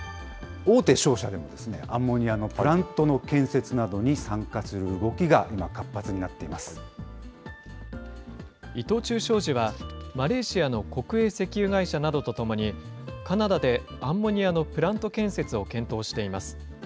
大手商社でも、アンモニアのプラントの建設などに参加する動きが、今、活発にな伊藤忠商事は、マレーシアの国営石油会社などとともに、カナダでアンモニアのプラント建設を検討しています。